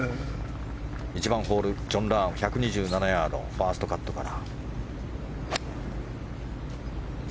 １番ホールジョン・ラーム１２７ヤードファーストカットから。